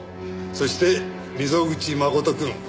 そして溝口誠くん。